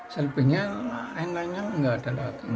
selebihnya lain lainnya nggak ada lagi